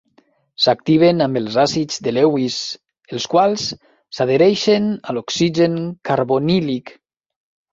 S'activen amb els àcids de Lewis, els quals s'adhereixen a l'oxigen carbonílic.